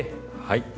はい。